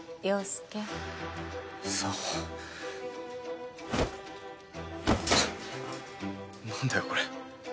沙帆何だよこれ。